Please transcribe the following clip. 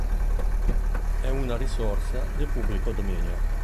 È una risorsa di pubblico dominio.